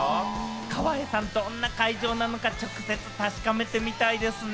川栄さん、どんな会場なのか直接確かめてみたいですね。